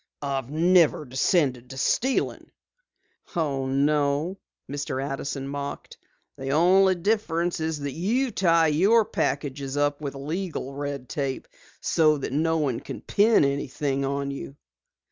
"I've never descended to stealing!" "No?" Mr. Addison mocked. "The only difference is that you tie your packages up with legal red tape so that no one can pin anything on you."